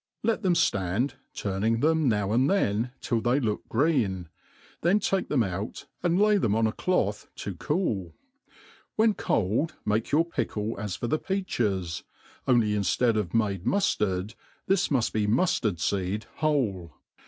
Let them ftand, turning them now and then, till they look green ; then take them out, and lay them on a cloth to cool ;, when cold make your pickle as for the peaches, only inftead of made muftard, this muft be muftard feed whole.